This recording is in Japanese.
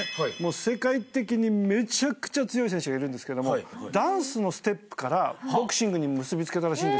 世界的にめちゃくちゃ強い選手がいるんですけどもダンスのステップからボクシングに結びつけたらしいんですよ。